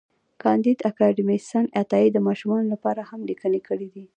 کانديد اکاډميسن عطایي د ماشومانو لپاره هم لیکني کړي دي.